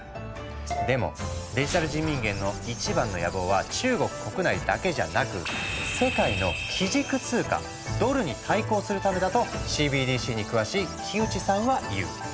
でもデジタル人民元の一番の野望は中国国内だけじゃなく世界の基軸通貨ドルに対抗するためだとＣＢＤＣに詳しい木内さんは言う。